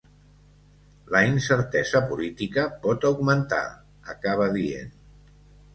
La incertesa política pot augmentar, acaba dient.